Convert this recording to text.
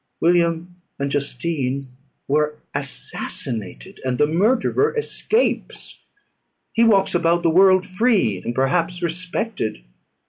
William and Justine were assassinated, and the murderer escapes; he walks about the world free, and perhaps respected.